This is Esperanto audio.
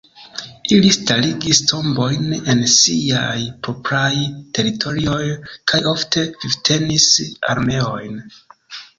Ili starigis tombojn en siaj propraj teritorioj kaj ofte vivtenis armeojn.